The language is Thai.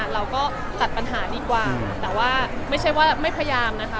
เราก็ตัดปัญหาดีกว่าแต่ว่าไม่ใช่ว่าไม่พยายามนะคะ